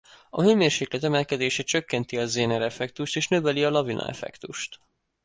A hőmérséklet emelkedése csökkenti a Zener-effektust és növeli a lavina-effektust.